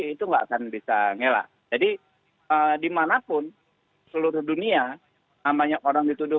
itu nggak akan bisa ngela jadi dimanapun seluruh dunia namanya orang dituduh